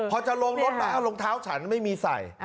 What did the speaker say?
พอจะลงรถมาเอารองเท้าฉันไม่มีใส่